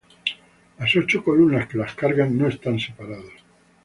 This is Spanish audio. Las ocho columnas que las cargan no están separadas.